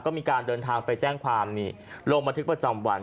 ก็มีการเดินทางไปแจ้งความนี่ลงบันทึกประจำวัน